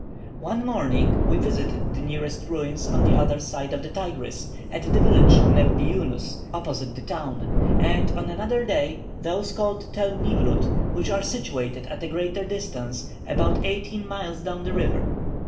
One morning we visited the nearest ruins on the other side of the Tigris, at the village Nebbi Yunus opposite the town; and, on another day, those called Tel Nimroud, which are situated at a greater distance, about eighteen miles down the river.